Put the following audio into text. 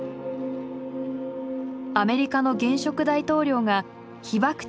アメリカの現職大統領が被爆地